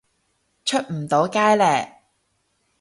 出唔到街呢